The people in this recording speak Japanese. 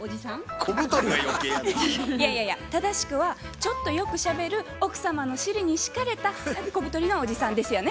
正しくはちょっとよくしゃべる奥様の尻に敷かれた小太りのおじさんですよね？